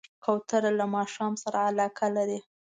کوتره له ماښام سره علاقه لري.